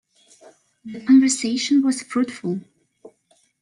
The conversation was fruitful.